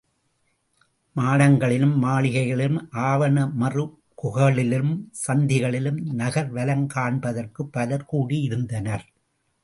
மாடங்களிலும் மாளிகைகளிலும் ஆவணமறுகுகளிலும் சந்திகளிலும் நகர் வலங் காண்பதற்குப் பலர் கூடியிருந்தனர்.